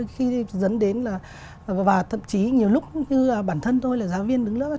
khi dẫn đến là và thậm chí nhiều lúc như bản thân tôi là giáo viên đứng lớp